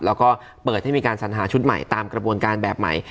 แล้วก็เปิดให้มีการสัญหาชุดใหม่ตามกระบวนการแบบใหม่